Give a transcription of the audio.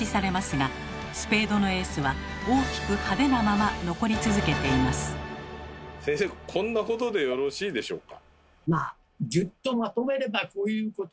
その後先生こんなことでよろしいでしょうか？